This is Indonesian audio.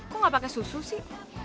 kok gak pake susu sih